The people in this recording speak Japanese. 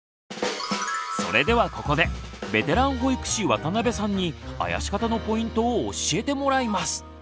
それではここでベテラン保育士渡邊さんにあやし方のポイントを教えてもらいます。